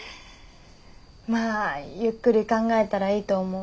まあゆっくり考えたらいいと思う。